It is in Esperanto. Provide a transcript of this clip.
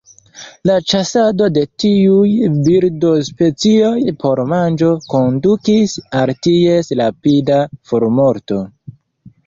La ĉasado de tiuj birdospecioj por manĝo kondukis al ties rapida formorto.